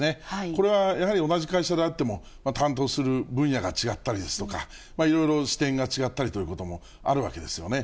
これはやはり同じ会社であっても、担当する分野が違ったり、いろいろ視点が違ったりということもあるわけですよね。